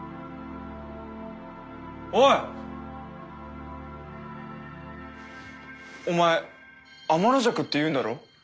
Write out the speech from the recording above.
おい！お前天の邪鬼っていうんだろう？